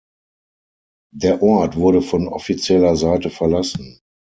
Der Ort wurde von offizieller Seite verlassen.